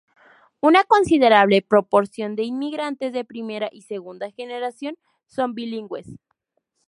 Una considerable proporción de inmigrantes de primera y segunda generación son bilingües.